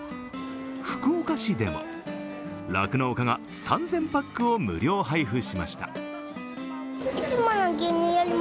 福岡市でも、酪農家が３０００パックを無料配布しました。